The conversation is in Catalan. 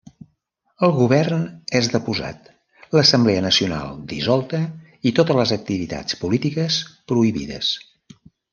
El govern és deposat, l'Assemblea nacional dissolta i totes les activitats polítiques prohibides.